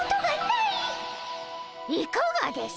いかがです？